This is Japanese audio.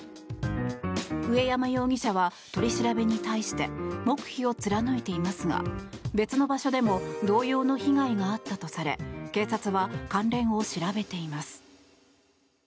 上山容疑者は、取り調べに対して黙秘を貫いていますが別の場所でも同様の被害があったとされ警察は関連を調べています。